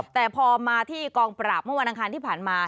แต่พอมาที่กลางประหลาบเมื่อวันทางครั้งที่ผ่านมา